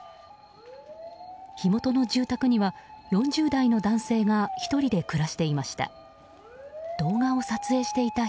火元の住宅には４０代の男性が１人で暮らしていました。